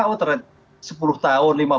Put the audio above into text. oh sepuluh tahun lima belas